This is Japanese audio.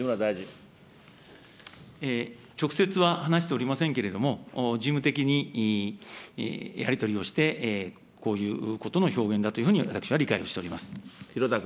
直接は話しておりませんけれども、事務的にやり取りをして、こういうことの表現だというふう広田君。